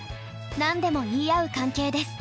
何でも言い合う関係です。